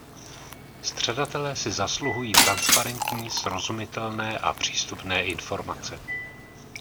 Střadatelé si zasluhují transparentní, srozumitelné a přístupné informace.